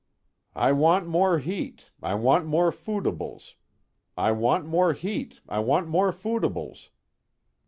"I want more heat, I want more foodibles. I want more heat, I want more foodibles."